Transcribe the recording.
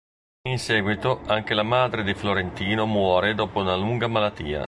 In seguito anche la madre di Florentino muore dopo una lunga malattia.